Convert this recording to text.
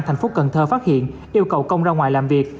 thành phố cần thơ phát hiện yêu cầu công ra ngoài làm việc